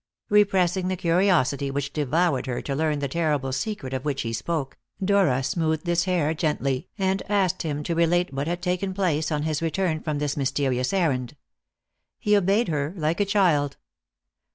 Repressing the curiosity which devoured her to learn the terrible secret of which he spoke, Dora smoothed his hair gently, and asked him to relate what had taken place on his return from this mysterious errand. He obeyed her like a child.